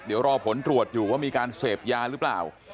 เดี๋ยวรอผลตรวจอยู่ว่ามีการเสพยาหรือเปล่า